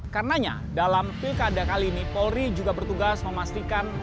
karenanya dalam pilkada kali ini polri juga bertugas memastikan